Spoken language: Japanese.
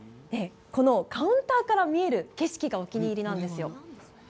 カウンターから見える景色がお気に入りなんですよ。